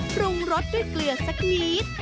ปรุงรสด้วยเกลือสักนิด